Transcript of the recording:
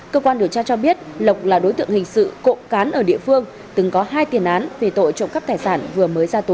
cơ quan điều tra cho biết lộc là đối tượng hình sự cộng cán ở địa phương từng có hai tiền án về tội trộm cắp tài sản vừa mới ra tù